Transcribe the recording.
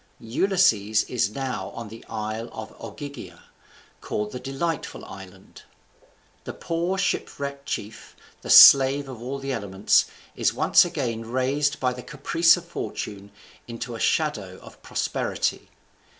Ulysses is now in the isle Ogygia, called the Delightful Island. The poor shipwrecked chief, the slave of all the elements, is once again raised by the caprice of fortune into a shadow of prosperity.